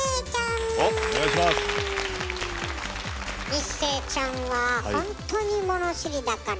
一生ちゃんはほんとに物知りだから。